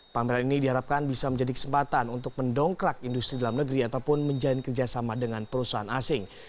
pameran ini diharapkan bisa menjadi kesempatan untuk mendongkrak industri dalam negeri ataupun menjalin kerjasama dengan perusahaan asing